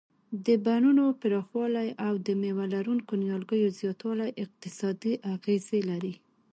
د بڼونو پراخوالی او د مېوه لرونکو نیالګیو زیاتول اقتصادي اغیز لري.